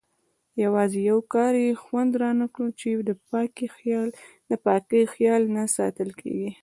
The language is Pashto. یوازې یو کار یې خوند رانه کړ چې د پاکۍ خیال نه ساتل کېږي.